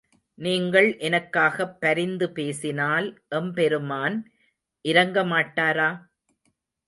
நீங்கள் எனக்காகப் பரிந்து பேசினல் எம்பெருமான் இரங்க மாட்டாரா?